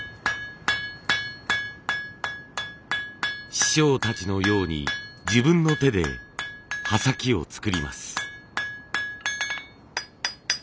師匠たちのように自分の手で刃先を作ります。